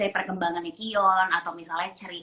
perkembangannya kion atau misalnya